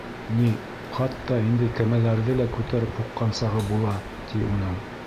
Ни, хатта инде кәмәләрҙе лә күтәреп һуҡҡан сағы була, ти, уның.